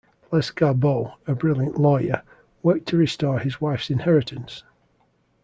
Lescarbot, a brilliant lawyer, worked to restore his wife's inheritance.